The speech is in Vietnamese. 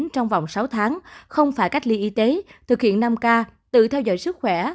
trong vòng sáu tháng không phải cách ly y tế thực hiện năm k tự theo dõi sức khỏe